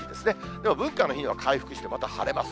でも文化の日には回復してまた晴れます。